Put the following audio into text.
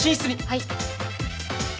はい。